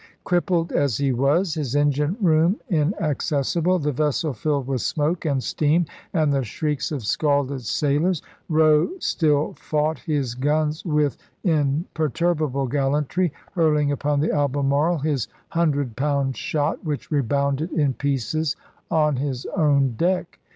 Crippled as ibia he was, his engine room inaccessible, the vessel filled with smoke and steam and the shrieks of scalded sailors, Roe still fought his guns with imperturbable gallantry, hurling upon the Albe marle his hundred pound shot, which rebounded in pieces on his own deck.